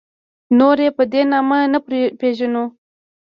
نور یې په دې نامه نه پېژنو.